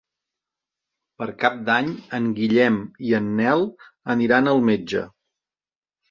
Per Cap d'Any en Guillem i en Nel aniran al metge.